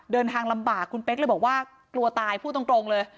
ลำบากคุณเป๊กเลยบอกว่ากลัวตายพูดตรงเลย